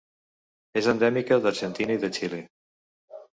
És endèmica d'Argentina i de Xile.